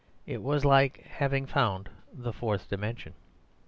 It was like having found a fourth dimension.